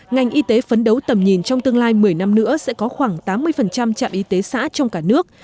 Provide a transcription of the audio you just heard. ngành y tế phấn đấu tầm nhìn trong tương lai một mươi năm nữa sẽ có khoảng tám mươi trạm y tế xã trong cả nước